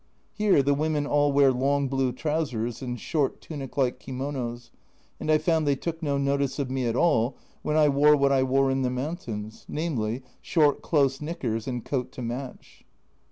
Here the women all wear long blue trousers and short tunic like kimonos, and I found they took no notice of me at all when I wore what I wore in the mountains, namely, short close knickers and coat to match.